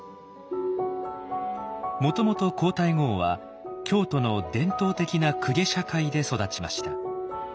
もともと皇太后は京都の伝統的な公家社会で育ちました。